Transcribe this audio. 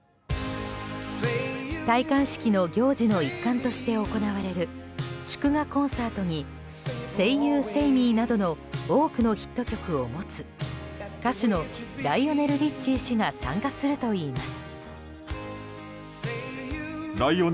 戴冠式の行事の一環として行われる祝賀コンサートに「セイ・ユー・セイ・ミー」などの多くのヒット曲を持つ歌手のライオネル・リッチー氏が参加するといいます。